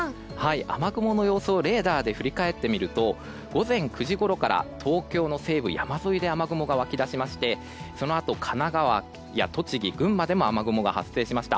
雨雲の予想をレーダーで振り返ってみると午前９時ごろから東京の西部山沿いで雨雲が湧き出しましてそのあと神奈川や栃木、群馬でも雨雲が発生しました。